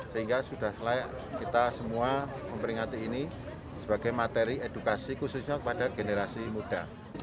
sehingga sudah layak kita semua memperingati ini sebagai materi edukasi khususnya kepada generasi muda